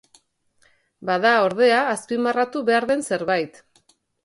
Bada, ordea, azpimarratu behar den zerbait.